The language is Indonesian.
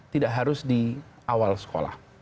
tidak harus di awal sekolah